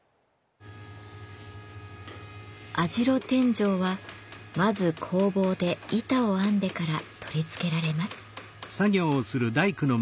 網代天井はまず工房で板を編んでから取り付けられます。